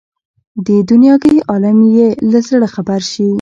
د دنیاګۍ عالم یې له زړه خبر شي.